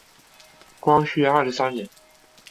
光绪二十三年。